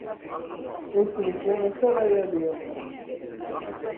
Ur ken-yettwanas ara yal iḍ.